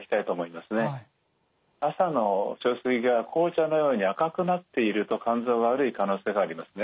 朝の小水が紅茶のように赤くなっていると肝臓が悪い可能性がありますね。